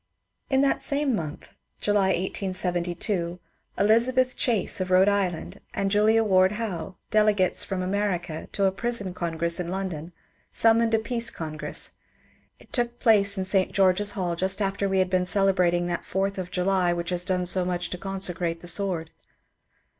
Li that same month (July, 1872) Elizabeth Chase of Rhode Island and Julia Ward Howe, delegates from Amer ica to a prison congress in London, summoned a peace con gress. It took place in St. George's Hall just after we had been celebrating that Fourth of July which has done so much to consecrate the sword.